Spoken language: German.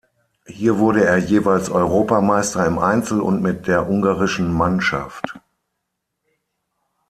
Hier wurde er jeweils Europameister im Einzel und mit der ungarischen Mannschaft.